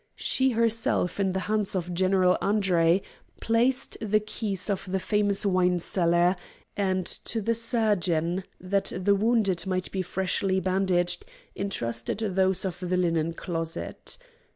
She, herself, in the hands of General Andre placed the keys of the famous wine cellar, and to the surgeon, that the wounded might be freshly bandaged, intrusted those of the linen closet.